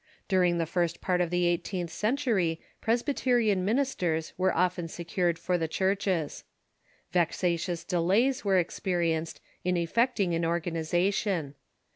During the first part of the eighteenth century Presbyterian ministers Avere often secured for the churches. Vexatious delays were experienced in effect ing an organization.